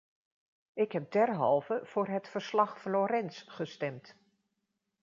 Ik heb derhalve voor het verslag-Florenz gestemd.